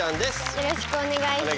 よろしくお願いします。